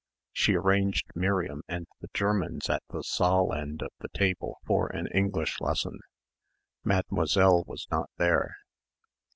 She arranged Miriam and the Germans at the saal end of the table for an English lesson. Mademoiselle was not there.